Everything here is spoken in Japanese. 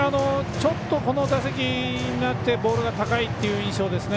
ちょっとこの打席になってボールが高い印象ですね。